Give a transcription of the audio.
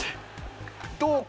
どうか？